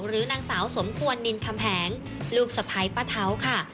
หรือนางสาวสมควรนินคำแหงลูกสะพ้ายป้าเท้าค่ะ